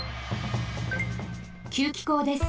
給気口です。